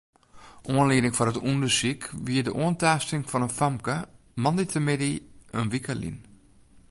Oanlieding foar it ûndersyk wie de oantaasting fan in famke moandeitemiddei in wike lyn.